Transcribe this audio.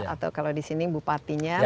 atau kalau di sini bupatinya